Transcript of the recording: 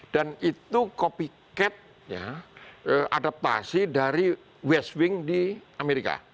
dan itu copycat adaptasi dari west wing di amerika